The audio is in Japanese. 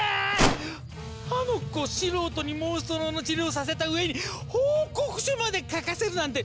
あの子素人にモンストロの治療をさせた上に報告書まで書かせるなんて！